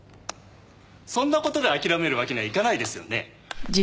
そんな事で諦めるわけにはいかないですよね。